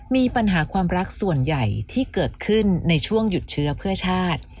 มีปัญหาความรักส่วนใหญ่ที่เกิดขึ้นในช่วงหยุดเชื้อเพื่อชาติ